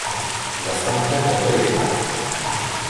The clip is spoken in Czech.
Zastavme proto jednání!